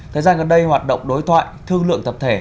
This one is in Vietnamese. thời gian gần đây hoạt động đối thoại thương lượng tập thể